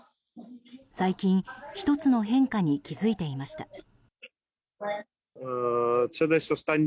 最近、１つの変化に気づいていました。